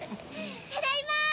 ・ただいま！